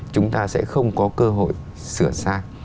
chúng ta sẽ không có cơ hội sửa xa